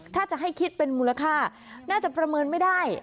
ถ้าจะให้คิดเป็นมูลค่าน่าจะประเมินไม่ได้